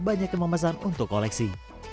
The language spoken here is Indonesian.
banyak yang memesan untuk koleksi